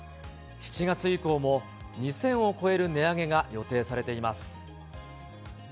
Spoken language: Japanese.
７月以降も２０００を超える値上げが予定されています。